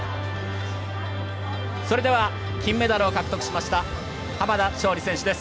それでは金メダルを獲得しました濱田尚里選手です。